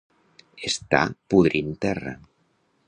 Estar podrint terra.